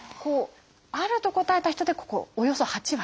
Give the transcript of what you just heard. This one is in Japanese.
「ある」と答えた人でここおよそ８割。